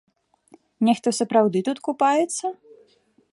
Нехта сапраўды тут купаецца?